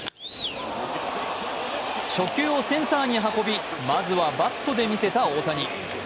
初球をセンターに運び、まずはバットで見せた大谷。